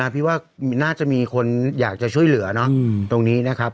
พี่ว่าน่าจะมีคนอยากจะช่วยเหลือตรงนี้นะครับ